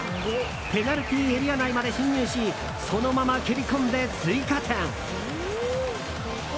ペナルティーエリア内まで進入しそのまま蹴り込んで追加点！